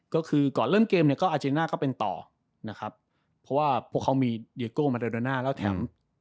ก็คือก่อนเริ่มเกมเนี่ยก็อาเจน่าก็เป็นต่อนะครับเพราะว่าพวกเขามีเดียโก้มาเดิน่าแล้วแถม